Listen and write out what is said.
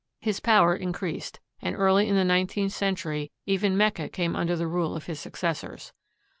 His power increased, and early in the nineteenth century even Mecca came under the rule of his successors.